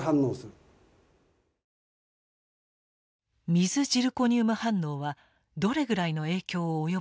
水ジルコニウム反応はどれぐらいの影響を及ぼしたのか。